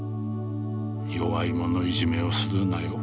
弱い者いじめをするなよ。